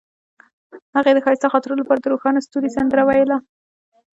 هغې د ښایسته خاطرو لپاره د روښانه ستوري سندره ویله.